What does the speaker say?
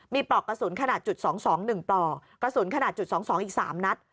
มีปลอกกระสุนขนาดจุด๒๒๑ปลอกกระสุนขนาดจุด๒๒อีก๓นัด